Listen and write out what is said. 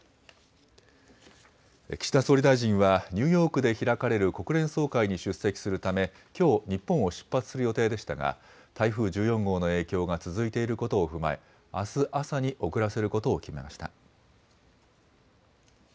岸田総理大臣は、ニューヨークで開かれる国連総会に出席するため、きょう、日本を出発する予定でしたが、台風１４号の影響が続いていることを踏まえ、あす朝に遅らせることを決めました。